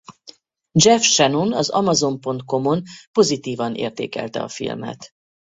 Jeff Shannon az Amazon.com-on pozitívan értékelte a filmet.